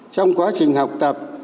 trong quá trình học tập